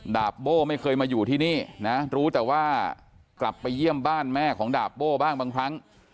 ดาบโบ้ไม่เคยมาอยู่ที่นี่นะรู้แต่ว่ากลับไปเยี่ยมบ้านแม่ของดาบโบ้บ้างบางครั้ง